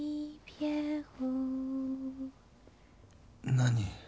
何？